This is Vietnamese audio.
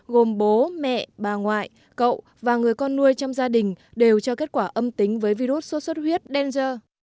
gồm bố mẹ bà ngoại cậu và người con nuôi trong gia đình đều cho kết quả âm tính với virus sốt xuất huyết đen dơ